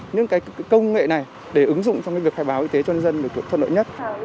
những công nghệ này để ứng dụng trong việc khai báo y tế cho nhân dân được thuận lợi nhất